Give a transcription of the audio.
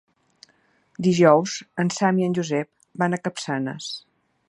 Dijous en Sam i en Josep van a Capçanes.